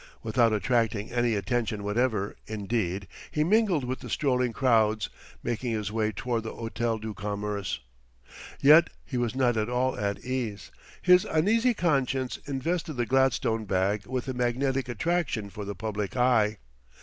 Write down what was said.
Without attracting any attention whatever, indeed, he mingled with the strolling crowds, making his way toward the Hôtel du Commerce. Yet he was not at all at ease; his uneasy conscience invested the gladstone bag with a magnetic attraction for the public eye.